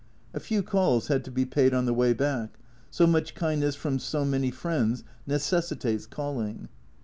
A few calls had to be paid on the way back, so much kindness from so many friends necessitates calling.